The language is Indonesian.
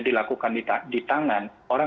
dilakukan di tangan orang